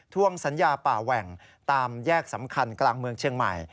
วงสัญญาป่าแหว่งตามแยกสำคัญกลางเมืองเชียงใหม่